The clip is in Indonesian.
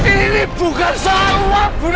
ini bukan soal uang bu